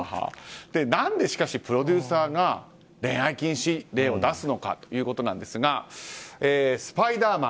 何で、しかしプロデューサーが恋愛禁止令を出すのかということなんですが「スパイダーマン」